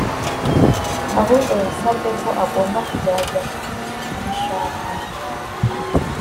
ahubwo yasabwe ko agomba kuzajya kubishaka